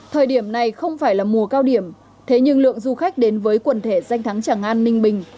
thời điểm này không phải là mùa cao điểm thế nhưng lượng du khách đến với quần thể danh thắng tràng an ninh bình